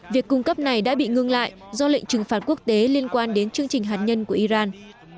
việc cung cấp này đã bị ngưng lại do lệnh trừng phạt quốc tế liên quan đến chương trình hạt nhân của iran